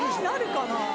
なるかな？